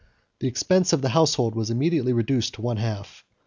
The expense of the household was immediately reduced to one half.